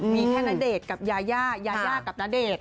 มีแค่ณเดชน์กับยาย่ายายากับณเดชน์